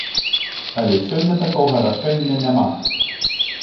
Але сёння такога рашэння няма.